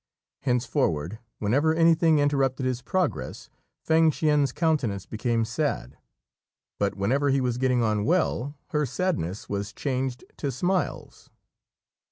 Henceforward, whenever anything interrupted his progress, Fêng hsien's countenance became sad; but whenever he was getting on well, her sadness was changed to smiles.